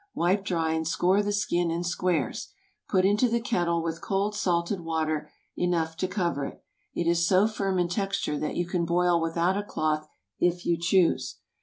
Wipe dry and score the skin in squares. Put into the kettle with cold salted water enough to cover it. It is so firm in texture that you can boil without a cloth if you choose.